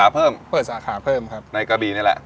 เปิดสาขาเพิ่มในกะบีนี้รัก